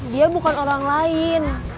dia bukan orang lain